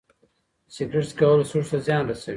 سګرټ څکول سږو ته زیان رسوي.